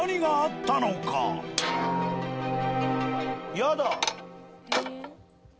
やだ。